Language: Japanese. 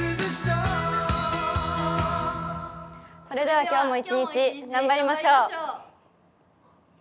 それで今日も一日頑張りましょう。